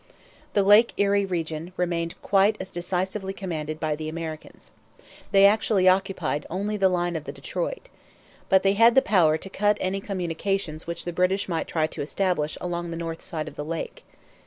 The Lake Erie region remained quite as decisively commanded by the Americans. They actually occupied only the line of the Detroit. But they had the power to cut any communications which the British might try to establish along the north side of the lake.